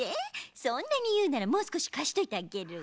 そんなにいうならもうすこしかしといてあげるわ。